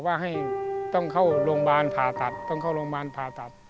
ว่าต้องเข้าร่วมบาลผ่าตัด